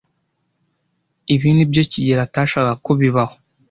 Ibi nibyo kigeli atashakaga ko bibaho.